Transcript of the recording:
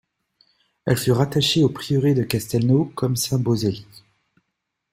Elle fut rattachée au prieuré de Castelnau, comme Saint-Beauzély.